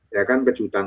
ya kan kejutan